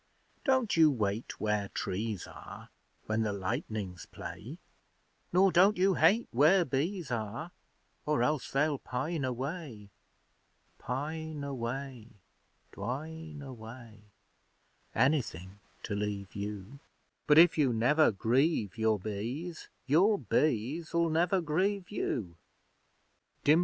Don't you wait where trees are, When the lightnings play; Nor don't you hate where Bees are, Or else they'll pine away. Pine away dwine away Anything to leave you! But if you never grieve your Bees, Your Bees'll never grieve you!